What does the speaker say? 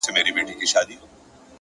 لوړ شخصیت له چلنده پېژندل کېږي،